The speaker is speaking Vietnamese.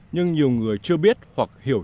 nhưng nhiều người chưa biết hoặc hiểu